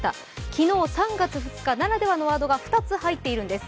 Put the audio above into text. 昨日、３月２日ならではのワードが２つ入っているんです。